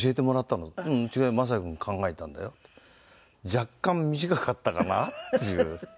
「若干短かったかな？」っていう。